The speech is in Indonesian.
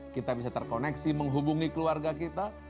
kita bisa terkoneksi menghubungi keluarga kita